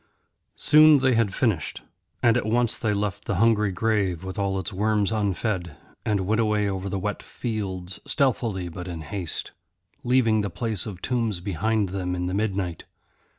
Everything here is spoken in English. Soon they had finished. And at once they left the hungry grave with all its worms unfed, and went away over the wet fields stealthily but in haste, leaving the place of tombs behind them in the midnight.